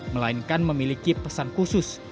melainkan memiliki pesan khusus